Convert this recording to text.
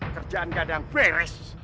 kerjaan kadang beres